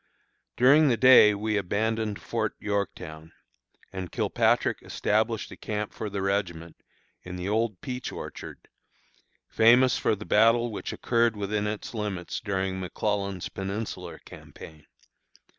During the day we abandoned Fort Yorktown, and Kilpatrick established a camp for the regiment in the old peach orchard, famous for the battle which occurred within its limits during McClellan's Peninsular Campaign.